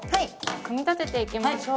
組み立てていきましょう